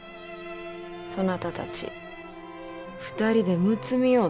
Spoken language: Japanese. そなたたち２人でむつみ合うてみよ。